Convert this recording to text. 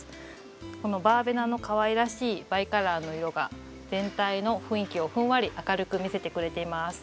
このバーベナのかわいらしいバイカラーの色が全体の雰囲気をふんわり明るく見せてくれています。